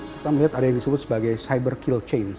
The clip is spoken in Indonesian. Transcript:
kita melihat ada yang disebut sebagai cyber kill change